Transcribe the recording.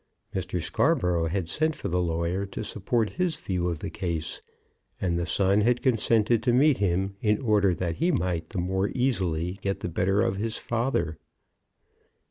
Mr. Scarborough had sent for the lawyer to support his view of the case; and the son had consented to meet him in order that he might the more easily get the better of his father.